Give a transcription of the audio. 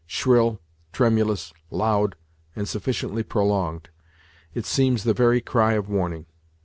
Shrill, tremulous, loud, and sufficiently prolonged, it seems the very cry of warning.